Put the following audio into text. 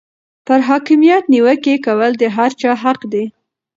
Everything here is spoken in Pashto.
پر حاکمیت نیوکې کول د هر چا حق دی.